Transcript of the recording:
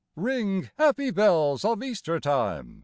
RING, happy bells of Easter time